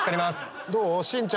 どう？